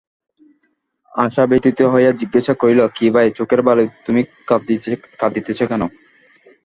আশা ব্যথিত হইয়া জিজ্ঞাসা করিল, কী ভাই চোখের বালি, তুমি কাঁদিতেছ কেন?